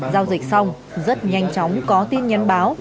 giao dịch xong rất nhanh chóng có tin nhắn báo